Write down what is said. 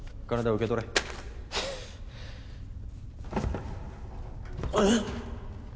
受け取れえっ？